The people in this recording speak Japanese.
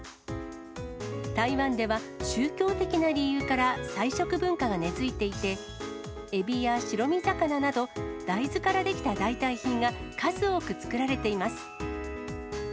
台湾では、宗教的な理由から菜食文化が根づいていて、エビや白身魚など、大豆から出来た代替品が数多く作られています。